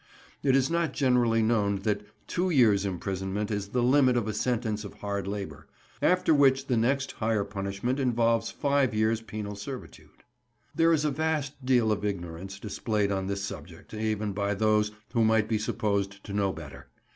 It is not generally known that two years' imprisonment is the limit of a sentence of hard labour, after which the next higher punishment involves five years' penal servitude. There is a vast deal of ignorance displayed on this subject, even by those who might be supposed to know better.